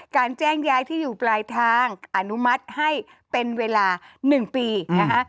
การแจ้งย้ายที่อยู่ปลายทางอนุมัติให้เป็นเวลา๑ปีนะคะ